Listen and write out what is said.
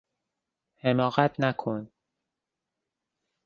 حماقت نکن!